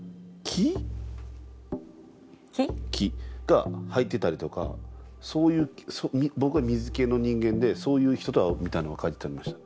「木」が入ってたりとかそういう僕は水系の人間でそういう人と合うみたいなのが書いてありました。